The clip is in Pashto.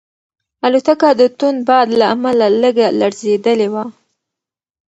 الوتکه د توند باد له امله لږه لړزېدلې وه.